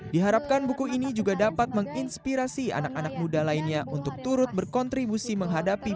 diharapkan buku ini juga dapat menginspirasi anak anak muda lainnya untuk turut berkontribusi menghadapi